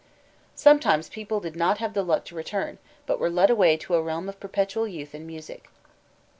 Sometimes people did not have the luck to return, but were led away to a realm of perpetual youth and music.